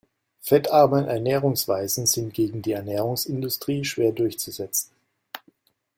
Fettarme Ernährungsweisen sind gegen die Ernährungsindustrie schwer durchzusetzen.